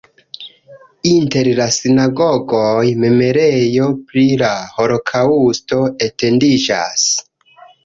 Inter la sinagogoj memorejo pri la holokaŭsto etendiĝas.